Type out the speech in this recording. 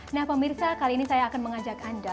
nah pemirsa kali ini saya akan mengajak anda